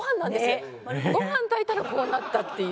ご飯炊いたらこうなったっていう。